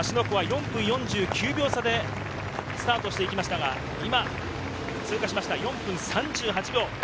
湖は４分４９秒差でスタートしていきましたが今通過しました、４分３８秒。